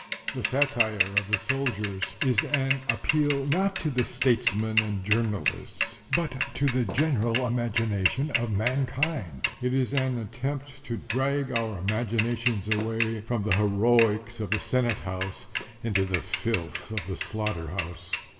The satire of the soldiers is an appeal not to the statesmen and journalists, but to the general imagination of mankind. It is an attempt to drag our imaginations away from the heroics of the senate house into the filth of the slaughter house.